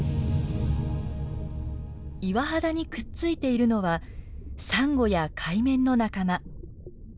岩肌にくっついているのはサンゴやカイメンの仲間。